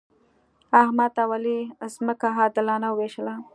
احمد او علي ځمکه عادلانه وویشله.